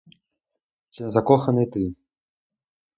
Чи не закоханий ти?